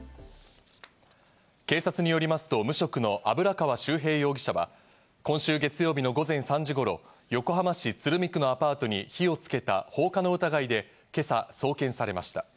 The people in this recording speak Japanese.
警察によりますと無職の油川秀平容疑者は、今週月曜日の午前３時頃、横浜市鶴見区のアパートに火をつけた放火の疑いで今朝、送検されました。